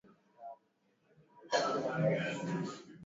asilimi mbili nchini Uganda nne